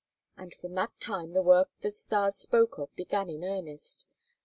And from that time the work that Stas spoke of began in earnest.